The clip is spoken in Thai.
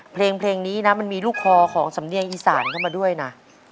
เพลงนี้นะมันมีลูกคอของสำเนียงอีสานเข้ามาด้วยนะ